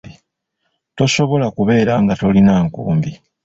Tosobola kubeera nga tolina nkumbi.